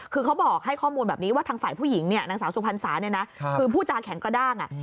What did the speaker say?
คือเค้าบอกให้ข้อมูลแบบนี้ว่าทางฝ่ายผู้หญิงนางสาวสุพรรณสาวคือผู้จาแข็งกระด้าง